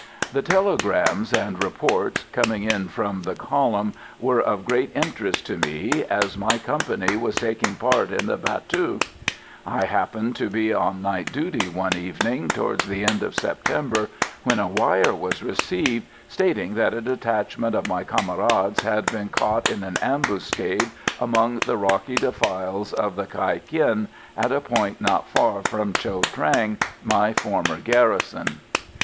The telegrams and reports, coming in from the column, were of great interest to me, as my company was taking part in the battue. I happened to be on night duty one evening towards the end of September, when a wire was received stating that a detachment of my comrades had been caught in an ambuscade, among the rocky defiles of the Kai Kinh, at a point not far from Cho Trang, my former garrison.